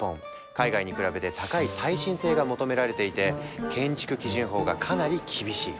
海外に比べて高い耐震性が求められていて建築基準法がかなり厳しい。